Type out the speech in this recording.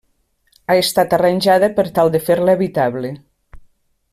Ha estat arranjada per tal de fer-la habitable.